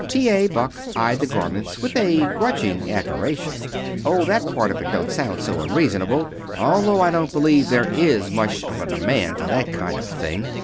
T. A. Buck eyed the garments with a grudging admiration. "Oh, that part of it don't sound so unreasonable, although I don't believe there is much of a demand for that kind of thing.